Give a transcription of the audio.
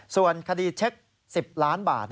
ส่วนคดีเช็ค๑๐ล้านบาท